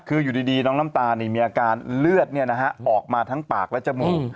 คืออยู่ดีน้องน้ำตาลมีอาการเลือดออกมาทั้งปากและจมูก